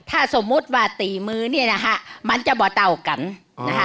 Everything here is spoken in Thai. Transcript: ถ้าสมมุติว่าตีมือเนี่ยนะคะมันจะบ่เต้ากันนะคะ